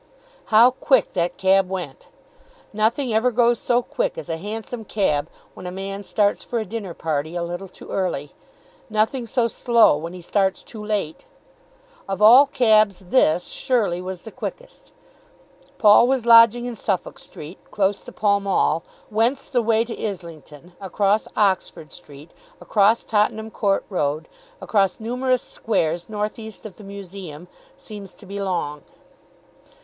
How quick that cab went! Nothing ever goes so quick as a Hansom cab when a man starts for a dinner party a little too early; nothing so slow when he starts too late. Of all cabs this, surely, was the quickest. Paul was lodging in Suffolk Street, close to Pall Mall, whence the way to Islington, across Oxford Street, across Tottenham Court Road, across numerous squares north east of the Museum, seems to be long.